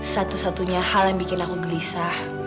satu satunya hal yang bikin aku gelisah